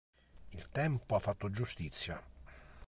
Il tempo ha fatto giustizia”.